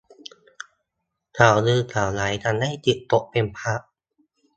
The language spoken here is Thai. ข่าวลือข่าวร้ายทำให้จิตตกเป็นพัก